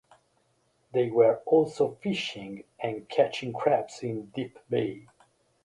They were also fishing and catching crabs in Deep Bay.